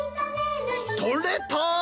とれたー！